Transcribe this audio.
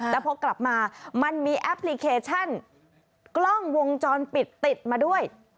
แต่พอกลับมามันมีแอปพลิเคชันกล้องวงจรปิดติดมาด้วย